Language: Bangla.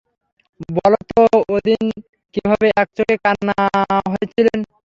বলো তো, ওদিন কীভাবে এক চোখে কানা হয়েছিলেন?